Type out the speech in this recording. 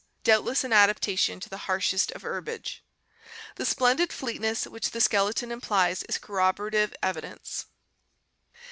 doubtless an adaptation to the harshest of herbage. The splendid fleetness which the skeleton implies is corroborative evidence.